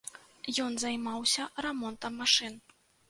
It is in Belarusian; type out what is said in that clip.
Ён займаўся рамонтам машын.